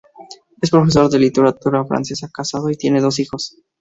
Es profesor de literatura francesa, casado y tiene dos hijos.